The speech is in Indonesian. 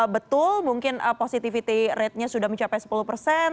betul mungkin positivity ratenya sudah mencapai sepuluh persen